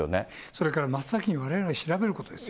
それから真っ先にわれわれ調べることです。